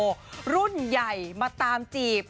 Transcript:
รุ่นใหญ่มาตามจีบ